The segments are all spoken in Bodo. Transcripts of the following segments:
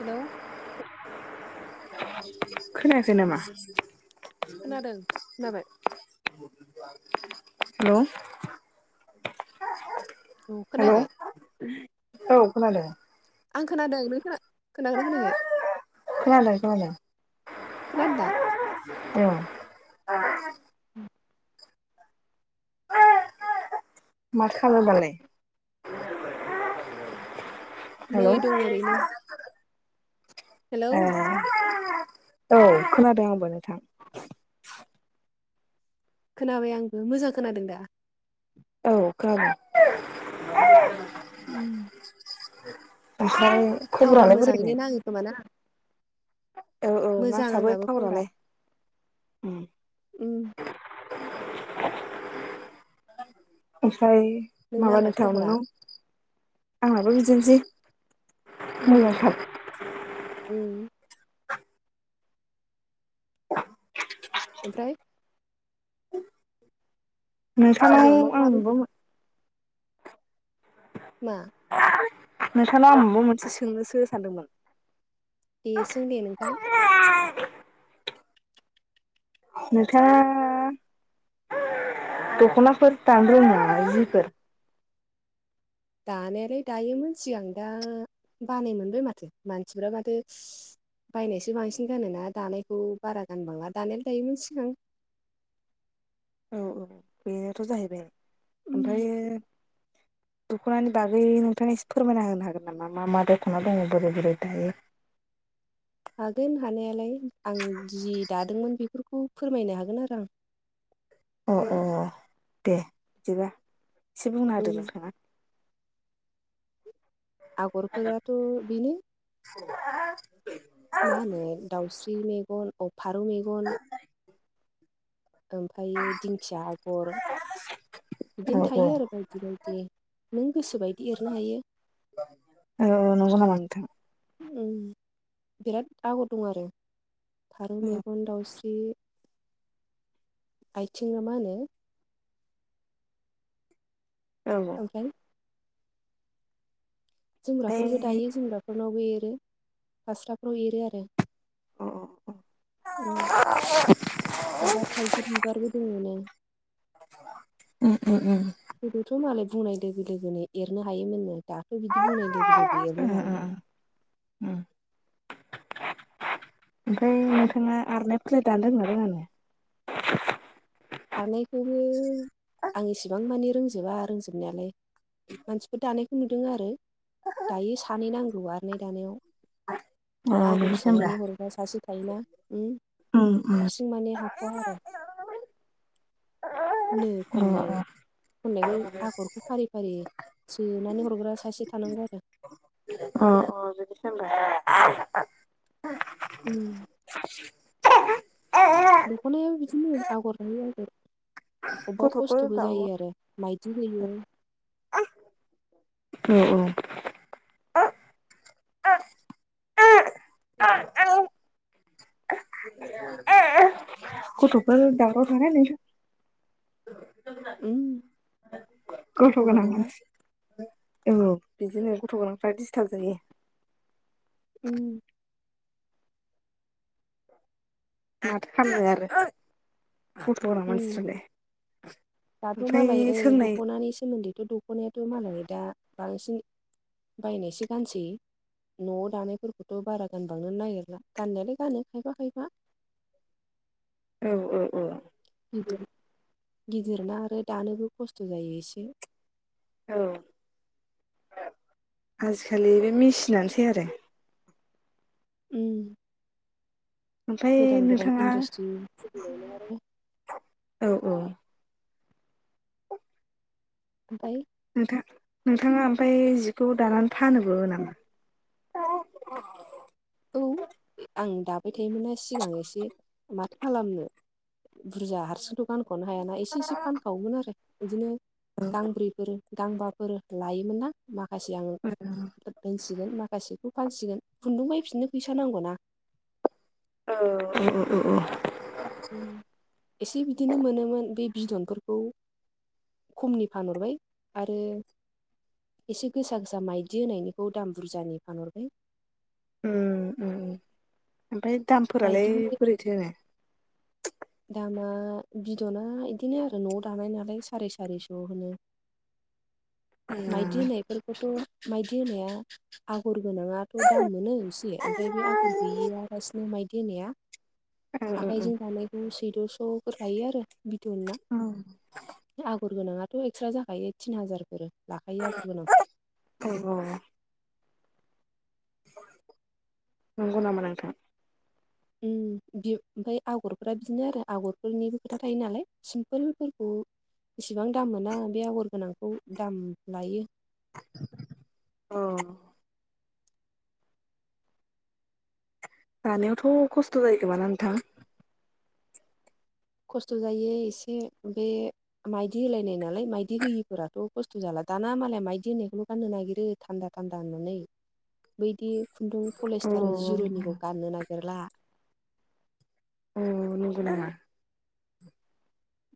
हेलौ। खोनायाखै नामा। खोनादों खोनाबाय। हेलौ औ हेलौ खोनायाखै औ खनादों। आं खोनादों नों खोन खोनागोनना खोनायाखै खोनादों खोनादों। खोनादों दा। औ उ माथो खालामदों दालाय नै हेलौ दं ओरैनो हेलौ ए औ खोनादों आंबो नोंथां। खोनाबाय आंबो मोजां खोनादों दा। औ खोनादों। उम। ओमफ्राय। थावरा खबरालाय बोरैनो मोजाङैनो नाङो खोमाना। औ औ नांसाबो आंनाबो खबरा थावारालाय उम उम ओमफ्राय नोंनालाय माबानोथाव खबरा नोंनाव आंहाबो बिदिनोसै। उम मोजांथार उम ओमफ्राय। फुजायाव मा नोंथांनाव मा आंबो बेदर मा। नोंथाङा आं माबा मोनसे सोंनोसो सानदोंमोन। दे सों दे नोंथां। नोंथाङा दख'नाफोर दानो रोङो ना जिफोर। दानायालाय दायोमोन सिगां दा बानाय मोनबाय माथो मानसिफोरा माथो। बायनायसो बांसिन गानोना दानायखौ बारा गानबांला दानायालाय दायोमोन। औ औ बेनोथ' जाहैबाय उम ओमफ्रायो दख'नानि बागै नोंथाङा एसे फोरमायना होनो हागोन नामा मा मा दख'ना दङ बोरै बोरै दायो। हागोन हानायालाय आं जि दादोंमोन बेफोरखौ फोरमायनो हागोन आरो आं। अ अ दे बिदिबा एसे बुंना उम होदो नोंथाङा। आगरफोराथ' बेनो [unintelligible] मा होनो दाउस्रि मेगन अ फारौ मेगन [inaudible] ओमफ्रायो दिंखिया आगर औ बिदिनो औ थायो आरो बायदि बायदि नों गोसोबायदि एरनो हायो अ औ नंगौ नामा नोंथां उम बिराद आगर दं आरो फारौ औ मेगन दाउस्रि आयथिं ना मा होनो ओमफ्राय जोमग्राफोरबो दायो जोमग्राफोरनावबो एरो फास्राबो एरो आरो अ उम ओम माबा थाइगिर बिबारबो दङ नो उम उम उम गोदोथ' मालाय बुंनाय लोगो लोगोनो एरनो हायोमोननो दाथ' बिदि बुंनाय लोगो लोगो एरनो उम हाला। उम उम ओमफ्राय नोंथाङा आरनाय फालि दानो रोङो ना रोङा? आरनायखौबो आं इसेबां मानि रोंजोबा रोंजोब जोबनायालाय मानसिफोर दानायखौ नुदों आरो दायो सानै नांगौ आरनाय दानायाव अ आगर बिदिसो होमबा सोनानै हरग्रा सासे थायोना उम उम हारसिं माने हाख'वा आरो नो खननाय अ खननायखौ आगरखौ फारि फारि सोनानै हरग्रा सासे थानांगौ आरो अ औ बिदिस होनबा उम [unintelligible] दख'नायाबो बिदिनो आगर लायै आगर बाव गथ'फोर खस्थ'बो दाव औ जायो आरो माइदि होयो। औ औ [unintelligible] उम गथ' गोनां मानसि औ बिदिनो गथ' गोनांफ्रा डिस्टार्ब जायो उम माथो खालामनो आरो फट'ग्राफ उम मानसिफ्रालाय दाथ'मालाय ओमफ्राय ओ सोंनाय दख'नानि सोमोन्दैथ' दु दख'नायाथ' मालाय दा बांसिन बायनायसो गानसै न'आव दानायफोरखौथ' बारा गानबांनो नागिरला गाननायालाय गानो खायफा खायफा औऔ औ गिदिर गिदिर ना आरो दानोबो खस्थ' जायो एसे औ आजिखालि बे मेचिनानोसै आरो उम ओमफ्राय गोदान गोदान नोंथाङा इन्डास्ट्रि खुलिबाय आरो औ औ ओमफ्राय नोंथां नोंथाङा ओमफ्राय जिखौ दानानै फानोबो नामा? औ औ आं दाबाय थायोमोनना सिगां एसे माथो खालामनो। बुरजा हारसिंथ' गानखनो हायाना एसे एसे फानखावोमोन आरो बिदिनो गांब्रैफोर गांबाफोर लायोमोन ना माखासे आङो औ फानसिगोन माखासेखौ फानसिगोन खुन्दुंबायफिनो फैसा नांगौ ना। औ उम उम। उम एसे बिदिनो मोनोमोन बे बिदनफोरखौ। खमनि फानहरबाय आरो। एसे गोसा गोसा माइदि होनायनिखौ दाम बुरजानि फानहरबाय। उ उम उम ओमफ्राय दामफोरालाय माइदिनि बोरैथो नो। दामा बिद'ना इदिनो आरो न'आव दानाय नालाय साराय सारिस' होनो। माइदि होनायफोरखौथ' माइदि होनाया। आगर गोनाङाथ' दाम मोनो एसे ओं ओमफ्राय बे आगर गैयियालासिनो माइदि होनाया। ओं ओं आखाइजों दानायखौ सैद'स'फोर लायो आरो बिदनना। आगर गोनाङाथ' एक्सट्रा जाखायो तिन हाजारफोर लाखायो आगर गोनांखौ। औ औ नंगौ नामा नोंथां उम बि ओमफ्राय आगरफोरा बिदिनो आरो आगरफोरनिबो खोथा थायो नालाय सिम्पोलफोरखौ। इसिबां दाम मोना बे आगर गोनांखौ दाम लायो। औ दानायावथ' खस्थ' जायो खोमाना नोंथां। खस्थ' जायो एसे बे मायदि होलायनाय नालाय मायदि होयिफोराथ' खस्थ' जाला दाना मालाया मायदि होननायखौल' गाननो नागिरो। थान्दा थान्दा होननानै बैदि खुन्दुं औ पलिस्टार जिर'निखौ गाननो नागिरला। औ नंगौ नामा।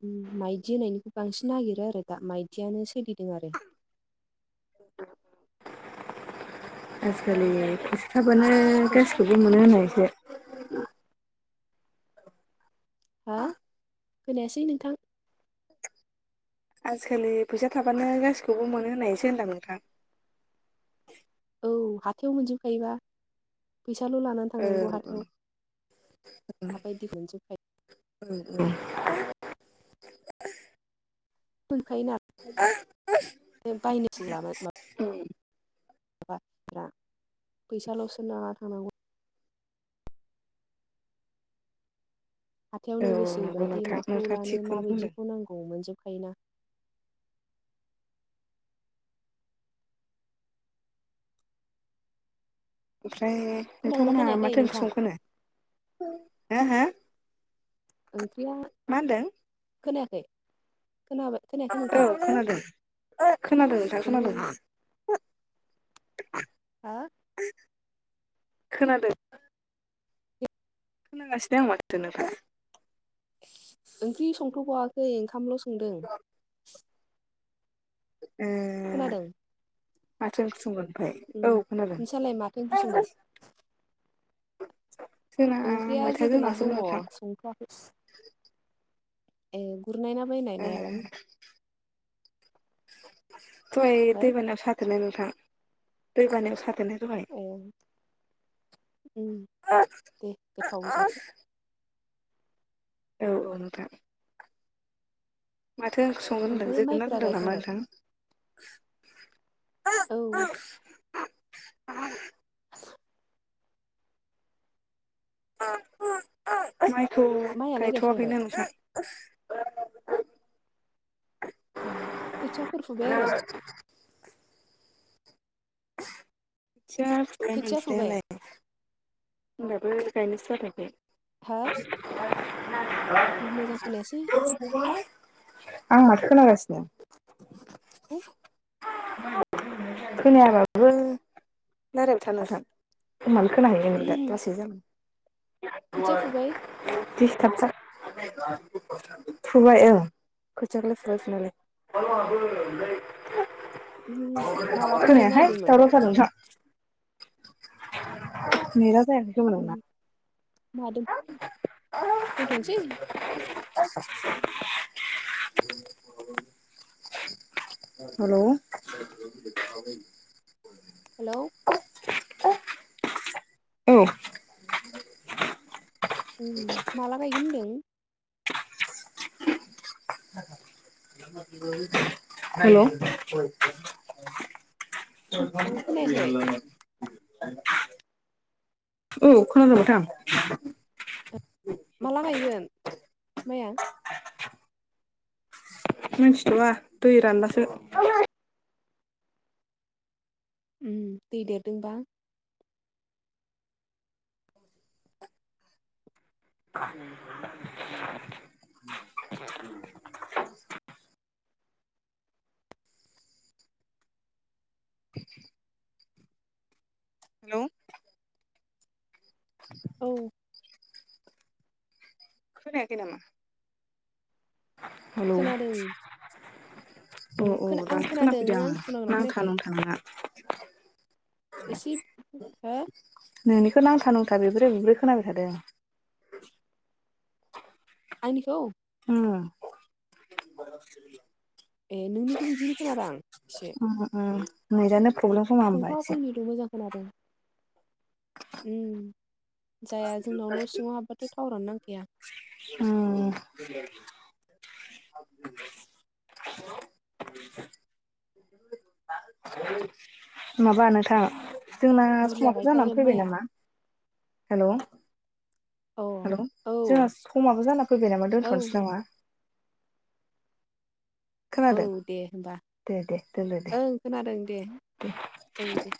उम माइदि होनायनिखौ बांसिन नागिरो आरो दा माइदियानो सोलिदों आरो। [unintelligible] आजिखालि फैसा थाबानो खस्थ' गासिबो [unintelligible] मोनो होनायसो हा खोनायासै नोंथां। आजिखालि फैसा थाबानो गासिखौबो मोनो होननायसो होनदां नोंथां। औ हाथायाव मोनजोबखायोबा फैसाल' लानानै। ओं थांनांगौ हाथायाव माबायदि मोनजोबखायो। औ औ मोनखायो ना। [unintelligible] बायनोसो लाबाय मा। उम [unintelligible] फैसाल'सो लाना थांनांगौ। हाथायावनो औ नंगौ गोसोबायदि नोंथां माखौ नोंथाङा लानो थिगखौनो बुंदों माबायदिखौ नांगौ मोनजोबखायोना। ओमफ्राय खोनागोना नोंथांमोनहा खोनायाखै माथो ओंख्रि नोंथां संखोनो हो हो। ओंख्रिया मा होनदों खोनायाखै खोनाबाय खोनायाखै औ नोंथां खोनादों खोनादों नोंथां हेलौ खोनादों। [unintelligible] हा खोनादों खोनागासिनो आं माथो नोंथां। ओंख्रि संथ'बाववाखै ओंखामल' संदों। [inaudible] ए खोनादों माथो ओंख्रि संगोन। ओमफ्राय उम औ खोनादों नोंसालाय माथो ओंख्रि संगोन [unintelligible] जोंना ओंख्रिया मैथाजों जोगोनार नासोमोन दङ नोंथां संथआखै। ए गुरनायना बायनाय ए नायालाय? दहाय हो दैबाना सा दे नोंथां दै बानायाव सारखोनो ए उम दे गोथाव जादो [unintelligible] औ औ नोथां। माथो ओंख्रि संगोन होनदों ओमफ्राय जोगोनार माइफोरा होनदों नामा गायखांबाय नोंथां? औ। [inaudible] माइखौ माइयालाय गायखांबाय गायथ'वाखैनो नोंथां। ओ खोथियाफोर फुबाय आरो खोथिया फुबाय [unintelligible] होमबाबो गायनायसो जाखायाखै। हा? मोजां खोनायासै। [inaudible] आं माथो खोनागासिनो। [inaudible] खोनायाबाबो रायलायबाय थानो खोथिया फुबाय [unintelligible] दिस्टाबसो। फुबाय औ खोथियाखो फुबाय फुनायालाय। उम मालाथो गायनो खोनायाहाय नागिरदोंमोन दावराव। [unintelligible] नेटआ जायाखै। जेबो नङा। उम [inaudible] मा दोन दोनथ'नोसै हेलौ। हेलौ। औ। ओम माला‌ गायगोन होनदों? हेलौ। औ खोनायाखै [inaudible] औ खोनादों नोंथां। माला गायगोन माया? मोनथि थ'आ दै रानबासो। उम दै देरदोंबा। [inaudible] [inaudible] हेलौ औ। खोनायाखै नामा? हेलौ खोनादों अ औ आं दासो खोनादों खोनाफैदों नों आङो आंखौ खोनागोना खोनायाखै? [inaudible] [unintelligible] नोंनिखौ नांथा नांथा बेब्रे बेब्रे खोनाबाय थादों। आंनिखौ। ओम [inaudible] ए नोंनिखौबो बिदिनौ खोनादां एसे। ओ ओ नेटआनो प्रब्लेम खोमा होमबा फंफा एसे। फंनैल' मोजां खोनादों उम जाया जोंनाव न' सिङाव हाबबाथ' टावारानो नांखाया [inaudible] माबा नोंथां जोंना बुरजा समाबो जाना गायखागोन फैबाय माइआ नामा हेल' अ हेलौ जोंहा औ समाबो जाना फैबाय नामा औ दोनथ'नोसै नामा औ खोनादों दे होनबा दे दे दोनदो दे। ओं खोनादों दे औ दे